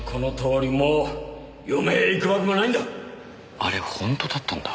あれほんとだったんだ。